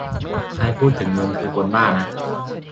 ใครพูดถึงมึงคือคนบ้านะ